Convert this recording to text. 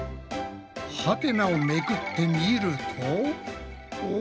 ハテナをめくってみるとお！